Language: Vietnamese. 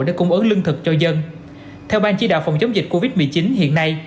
để cung ứng lương thực cho dân theo ban chỉ đạo phòng chống dịch covid một mươi chín hiện nay